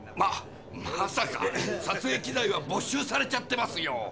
ままさか撮影機材は没収されちゃってますよ。